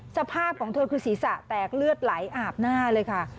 สภาพของเธอคือศีรษะแตกเลือดไหลอาบหน้าเลยค่ะ